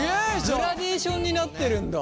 グラデーションになってるんだ。